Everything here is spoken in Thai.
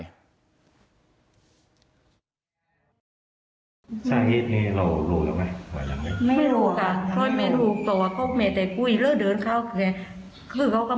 ไม่รู้ก่อนไม่รู้ก็ว่าเขาไม่แต่กุ้ยเลิกเดินเข้าแค่เขา